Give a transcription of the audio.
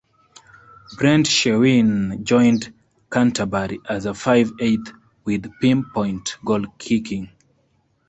Brent Sherwin joined Canterbury as a five-eighth with pinpoint goal kicking.